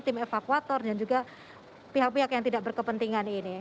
tim evakuator dan juga pihak pihak yang tidak berkepentingan ini